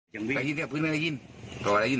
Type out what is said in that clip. พูดไม่ได้ยินพูดไม่ได้ยิน